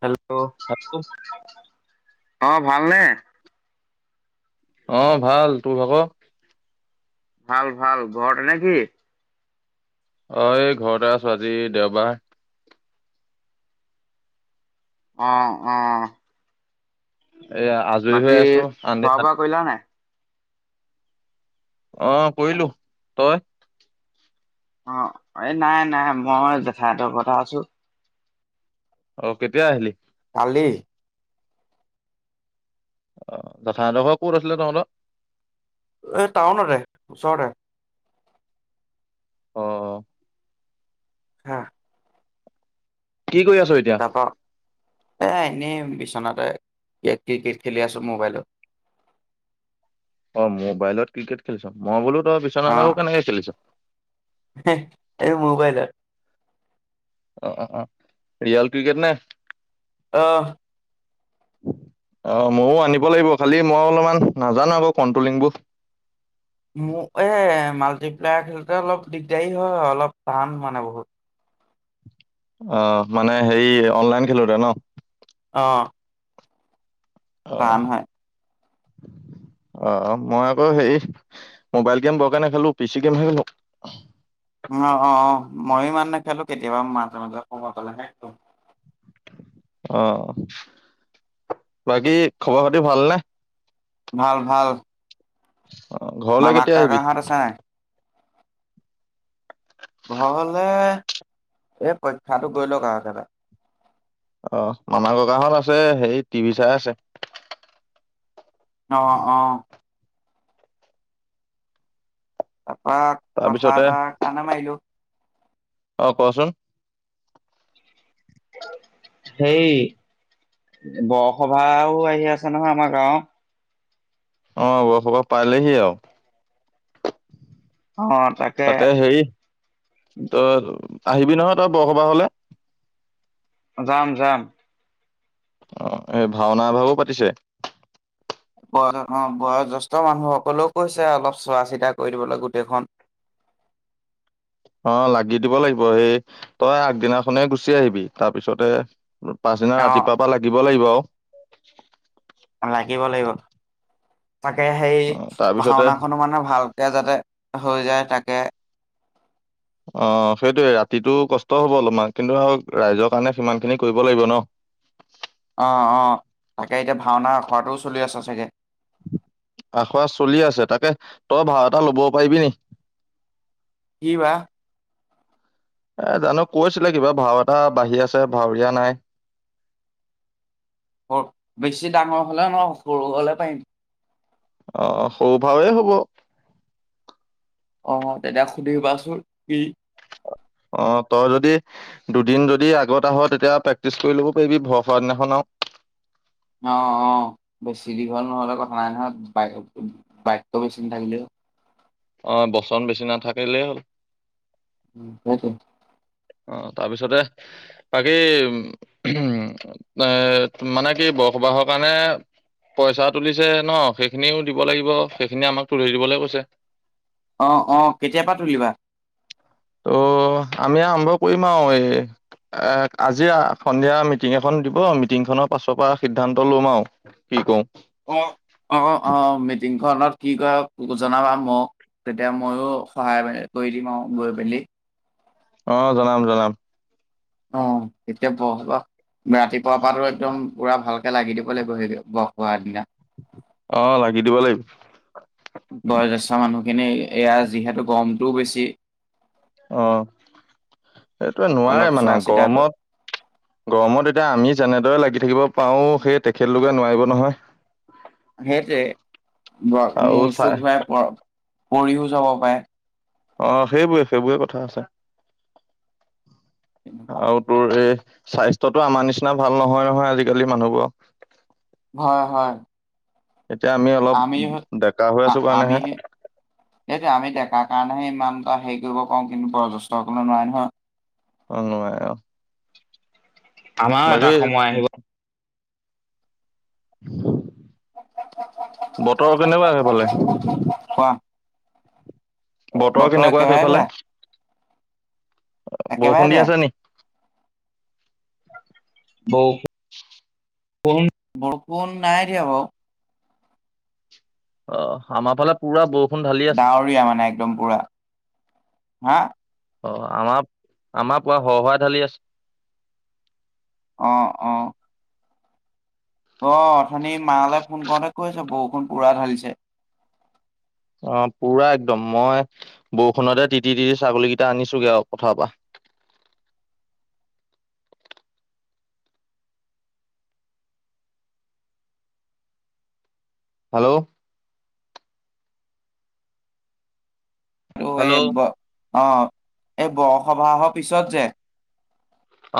Hello hello অ ভালনে অ ভাল তোৰ ভাগ ভাল ভাল ঘৰতে নেকি অ এই ঘৰতে আছো আজি দেওবাৰ আহ আহ এয়া আজৰি হৈ আছো খোৱা বোৱা কৰিলা নাই অ কৰিলো তই অ এই নাই নাই মই জেঠাইতৰ কথা আছো [unintelligible] অ কেতিয়া আহিলি কি [unintelligible] অ যঠডখৰ ক'ত আছিলে তহঁত [unintelligible] এই টাউনতে ওচৰতে অ [unintelligible] হা কি কৰি আছো এতিয়া তাৰপা এ এনেই বিচনাতে ক্ৰিকেট খেলি আছো মোবাইলত অ মোবাইলত ক্ৰিকেট খেলিছো মই বোলো ত বিচনাট আৰু কেনেকে খেলিছ [unintelligible] এনে মোবাইলত অ অ অ ৰিয়াল ক্ৰিকেট নে আহ আহ ময়ো আনিব লাগিব খালি মই অলপমান নাজানো আকৌ কন্ট্ৰলিংবোৰ মোক এই মাল্টিপ্লেয়াৰ খেলোতে অলপ দিগদাৰী হয় অলপ টান মানে বহুত [unintelligible] অ মানে হেৰি অনলাইন খেলোতে ন অ অ' টান হয় অ মই আকৌ হে মোবাইল গেম বৰ কে ণে খেলো পিচি গেম খেলো অ অ অ ময়ো ইমান নেখেলো কেতিয়াবা মাজে মাজে সমব পাললেহেটো অ বাকী খবৰ খাতি ভালনেে ভাল ভাল অ ঘৰলৈ মামাক কেতিয়া আহিবি কাকাহঁত আছে নাই? ঘৰলে এ পৰীক্ষাটো গৈ লক আৰু অ আমাৰ ককাহঁত আছে, সেই টিভি চাই আছে। অ অ তাৰপৰা কথা তাৰপিছতে এটা কণে মাৰিলো। অ, কচোন। সেই বৰসভাও আহি আছে নহয় আমাৰ গাঁওত। অ বৰসভা পালেহি আৰু। তাকে হেৰি তোৰ আহিবি নহয় তই বৰসভা হলে। যাম যাম। অ, এই ভাওনা এভাগো পাতিছে। অ বয়োজষ্ঠ মানুহ সকলেও কৈছে অলপ চোৱা চিতা কৰি দিবলৈ গোটেইখন। অ লাগি দিব লাগিব সেই তই আগদিনাখনেই গুচি আহিবি তাৰপিছতে পাছদিনা অ', ৰাতিপুৱাৰ পৰাা লাগিব লাগিব আৰু। লাগিব, লাগিব। তাকে সেই অ তাৰপিছতে ভাওনাখনো মানে ভালকে যাতে হৈ যায়। তাকে। অ সেইটোৱে ৰাতিটো কষ্ট হ'ব অলপমান কিন্তু আৰু ৰাইজৰ কাৰণে সিমান খিনি কৰিব লাগিব ন। অ অ তাকে এতিয়া ভাওনাৰ আখৰা টোও চলি আছে ছাগে? আখৰা চলি আছে তাকে, তই ভাও এটা ল'ব পাৰিবি নি? কিবা। এ জানো কৈছিলে কিবা ভাও এটা বাঢ়ি আছে ভাৱৰীয়া নাই। বৰ বেছি ডাঙৰ হ'লে নোৱাৰোঁ, সৰু হ'লে পাৰিম। আহ সৌভাৱেই হ'ব। অ, তেতিয়া সুধিবাচোন কি? অ তই যদি দুদিন যদি আগতে আহ তেতিয়া প্ৰেক্টিচ কৰি ল'ব পাৰিবি ভৰসা দিনাখন আৰু। অ, অ বেছি দীঘল নহ'লেও কথা নাই বা বাক্য বেছি নাথাকিলেও অ, বচন বেছি নাথাকিলেই হ'ল। উ সেইটো। অ, তাৰ পিছতে বাকী এ মানে কি বৰ সবাহৰ কাৰণে পইচা তুলিছে ন, সেইখিনিও দিব লাগিব, সেইখিনি আমাক তুলি দিবলৈ কৈছে। আহ অ কেতিয় পৰাা তুলিবা। ত' আমি আৰম্ভ কৰিম আৰু এই এ আজি সন্ধিয়া মিটিং এখন দিব, মিটিংখনৰ পাছৰ পৰা সিদ্ধান্ত লম আৰু কি কৰোঁ? অ, অ, অ, অ মিটিং। ঘনত কি কৰা জনাবা মোক তেতিয়া ময়ো সহায় কৰি দিম আৰু গৈ পেলি। অ, জনাম জনাম। অ, এতিয়া বৰ সবাহ ৰাতিপুৱাৰ পৰাতো একদম পুৰা ভালকে লাগি দিব লাগিব সেই বৰ সবাহৰ দিনা। অ, লাগি দিব লাগিব। বয়োজ্যেষ্ঠ মানুহখিনি এয়া যিহেতু গম ৰৰু বেছি। অ। সেইটোৱে অলপ নোৱাৰে চোৱা মানে চিতা গৰম গৰমত এতিয়া আমি যেনেদৰে লাগি থাকিব পাৰো সেই তেখেতলোকে নোৱাৰিব নহয়। সেইটোৱে আৰু মোৰ চাই চুখ হাই পৰ পঢ়িও যাব পাৰে অ সেইবোৰে সেইবোৰে কথা আছে তেনেকুৱা। আৰু তোৰ এ স্বাস্থ্যতো আমাৰ নিচিনা ভাল নহয়, নহয় আজিকালি মানুহবোৰৰ। হয় হয় এতিয়া অলপ আমি স ডেকা হৈ আ আছো আমি কাৰণেহে সে সেই যে আমি ডেকা কাৰণেহে ইমানটো হেৰি কৰিব কওঁ কন্তু পৰা যেষ্ট সকলে নোৱাই নহয় [unintelligible] উ আমাৰও এটা বাকী সময় আহিব [inaudible] বতৰ কেনেকুৱা আহেফালে কোৱা বতৰ কেনেকুৱা একেবাৰে সেইফালে বেয়া একেবাৰে বৰষুণ দি বেয়া। আছে নি? বৌ [inaudible] কোন বৰ কোন নাই দিয়া বাৰু অ আমাৰ ফালে পুৰা বৰষুণ। ঢালি আছে ডাৱৰীয়া মানে একদম পুৰা। হা? অ আমাৰ আমাৰ পুৰা হুৰহুৰে ঢালি আছে। অ অ অ অথনি মালৈ ফোন কৰোঁতে কৈছে বৰষুণ পু়ৰা ঢালিছে। অ পুৰা একদম মই বৰষুণতে তিতি তিতি ছাগলী কেইটা আনিছোঁ গে আৰু পথাৰৰ পৰা। হেল্ল' [unintelligible] অ এই বৰ সবাহৰ পিছত যে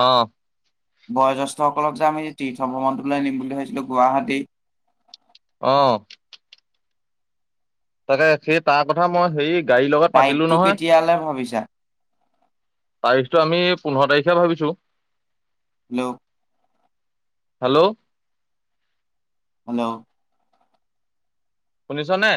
অ বয়োজ্েষ্ঠসকলক যে আমি তীৰ্থ ভ্ৰমণটোলৈ নিম বুলি ভাবছিলো গুৱাহাটী অ তাকে সেই তাৰ কথা মই হেৰি গাড়ীৰ লগত পাতিলো তাৰিখটো নহয় কেতিয়ালে ভাবিছা? তাৰিছতো আমি পোন্ধৰ তাৰিখে ভাবিছোঁ। হেল্ল' হেল্ল' হেল্ল' ঊননিছ নে